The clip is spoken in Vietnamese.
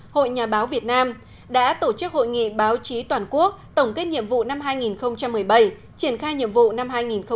hội nhà báo việt nam đã tổ chức hội nghị báo chí toàn quốc tổng kết nhiệm vụ năm hai nghìn một mươi bảy triển khai nhiệm vụ năm hai nghìn một mươi chín